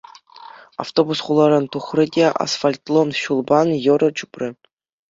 Автобус хуларан тухрӗ те асфальтлӑ ҫулпа йӑрӑ чупрӗ.